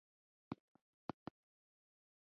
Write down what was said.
اروپایانو افریقايي مریان دې سیمې ته راوستل.